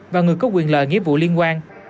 và người có quyền lợi nghĩa vụ liên quan